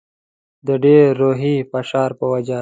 د ډېر روحي فشار په وجه.